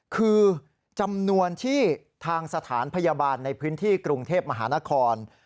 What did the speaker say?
คือจำนวนที่ทางสถานพยาบาลในพื้นที่กรุงเทพมหานคร